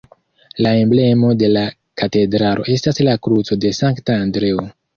La emblemo de la katedralo estas la kruco de Sankta Andreo.